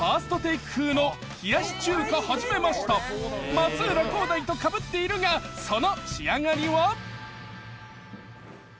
松浦航大とかぶっているがその仕上がりは？